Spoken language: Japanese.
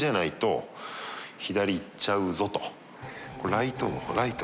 ライトライト。